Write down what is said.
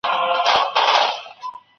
کوم ظالم رانه وژلې؛ د هنر سپینه ډېوه ده